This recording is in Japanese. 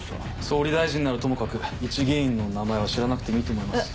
総理大臣ならともかくいち議員の名前は知らなくてもいいと思います。